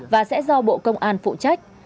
và sẽ do bộ công an phụ trách